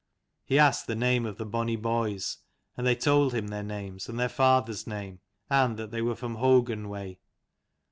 He asked the name of the bonny boys, and they told him their names and their father's name, and that they were from Hougun way.